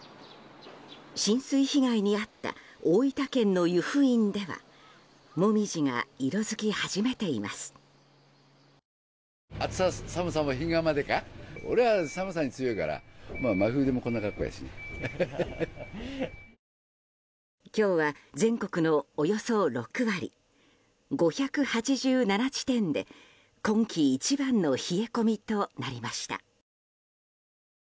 浸水被害に遭った大分県の湯布院ではモミジが色づき始めています。今日は全国のおよそ６割５８７地点で今季一番の冷え込みとなりました。